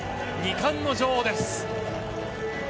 ２冠の女王です！